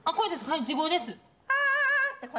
はい。